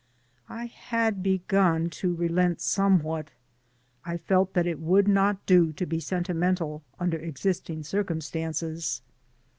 I had begun to relent somewhat. I felt that it would not do to be sentimental under existing circumstances.